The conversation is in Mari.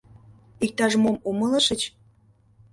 — Иктаж-мом умылышыч?